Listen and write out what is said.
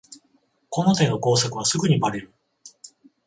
この手の工作はすぐにバレる